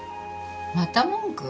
また文句？